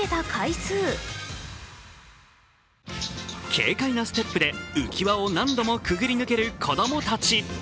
軽快なステップで浮き輪を何度もくぐり抜ける子供たち。